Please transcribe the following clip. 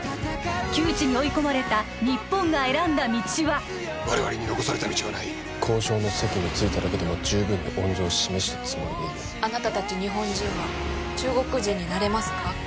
窮地に追い込まれた日本が選んだ道は我々に残された道はない交渉の席に着いただけでも十分に温情を示したつもりでいるあなた達日本人は中国人になれますか？